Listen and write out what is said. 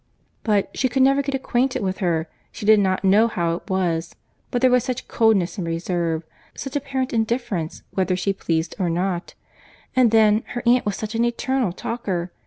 But "she could never get acquainted with her: she did not know how it was, but there was such coldness and reserve—such apparent indifference whether she pleased or not—and then, her aunt was such an eternal talker!